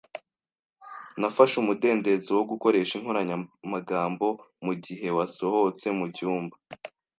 Nafashe umudendezo wo gukoresha inkoranyamagambo mugihe wasohotse mucyumba.